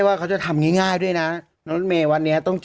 ว่าเขาจะทำง่ายง่ายด้วยน่ะน้ำน้ำเมย์วันเนี้ยต้อง